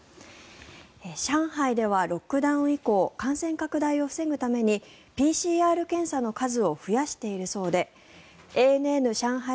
上海ではロックダウン以降感染拡大を防ぐためにＰＣＲ検査の数を増やしているそうでＡＮＮ上海